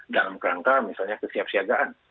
dalam rangka misalnya kesiapsiagaan